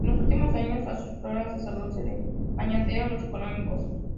En los últimos años, a sus problemas de salud se les añadieron los económicos.